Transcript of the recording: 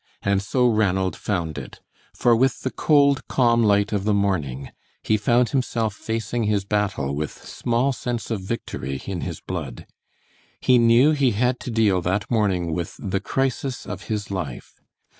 And so Ranald found it; for with the cold, calm light of the morning, he found himself facing his battle with small sense of victory in his blood. He knew he had to deal that morning with the crisis of his life.